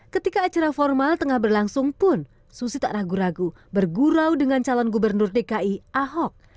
ketika acara formal tengah berlangsung pun susi tak ragu ragu bergurau dengan calon gubernur dki ahok